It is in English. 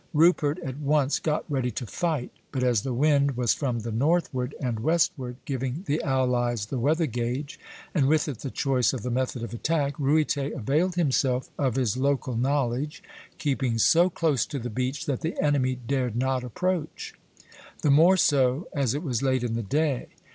Rupert at once got ready to fight; but as the wind was from the northward and westward, giving the allies the weather gage, and with it the choice of the method of attack, Ruyter availed himself of his local knowledge, keeping so close to the beach that the enemy dared not approach, the more so as it was late in the day.